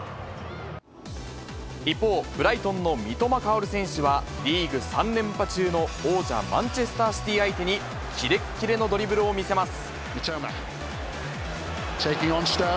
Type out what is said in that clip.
一方、ブライトンの三笘薫選手は、リーグ３連覇中の王者マンチェスター・シティ相手に、きれっきれのドリブルを見せます。